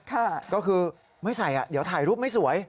ก็คือไม่ใส่เดี๋ยวถ่ายรูปไม่สวย